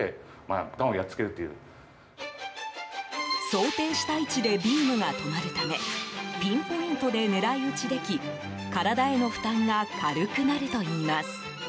想定した位置でビームが止まるためピンポイントで狙い撃ちでき体への負担が軽くなるといいます。